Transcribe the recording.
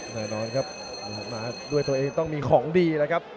แน่นอนครับด้วยตัวเองต้องมีของดี